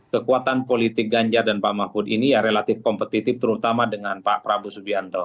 kekuatan politik ganjar dan pak mahfud ini ya relatif kompetitif terutama dengan pak prabowo subianto